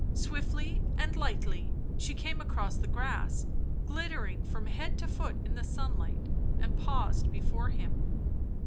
Swiftly and lightly she came across the grass, glittering from head to foot in the sunlight, and paused before him.